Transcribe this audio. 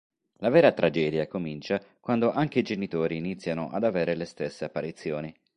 La vera tragedia comincia quando anche i genitori iniziano ad avere le stesse apparizioni.